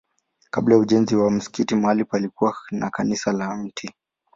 Kabla ya ujenzi wa msikiti mahali palikuwa na kanisa la Mt.